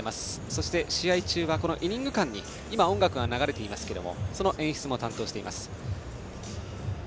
そして試合中はイニング間に今、音楽が流れていますがその演出も担当しています。